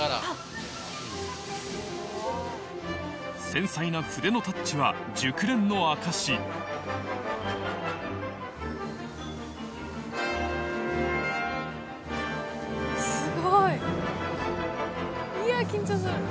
繊細な筆のタッチは熟練の証しすごい！いや緊張する！